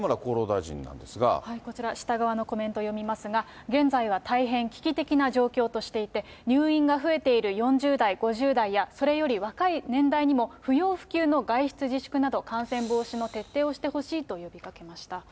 こちら、下側のコメントを読みますが、現在は大変危機的な状況としていて、入院が増えている４０代、５０代や、それより若い年代にも不要不急の外出自粛など、感染防止の徹底をしてほしいと呼びかけました。